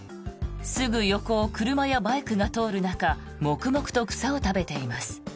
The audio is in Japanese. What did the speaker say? すぐ横を車やバイクが通る中黙々と草を食べています。